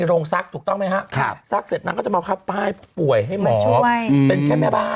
อันนี้ลูกพลาทุกคนพยายามจะแบบว่า